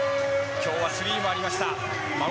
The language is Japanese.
今日はスリーもありました